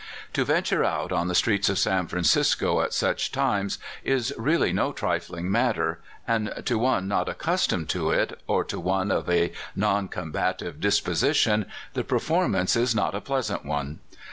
To venture out on the streets of San Francisco at such times is really no trifling matter ; and to one not accustomed to it, or to one of a non combative disposition, the per formance is not a pleasant one.